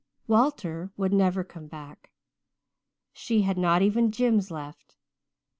Walter would never come back. She had not even Jims left.